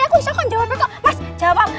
aku bisa kan jawab itu mas jawab